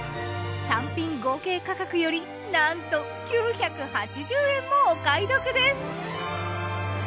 単品合計価格よりなんと９８０円もお買い得です。